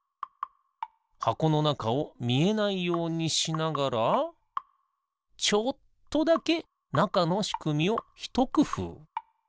はこのなかをみえないようにしながらちょっとだけなかのしくみをひとくふう。